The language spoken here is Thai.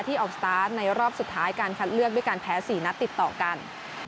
ออกสตาร์ทในรอบสุดท้ายการคัดเลือกด้วยการแพ้๔นัดติดต่อกัน